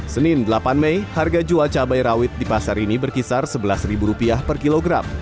senin delapan mei harga jual cabai rawit di pasar ini berkisar rp sebelas per kilogram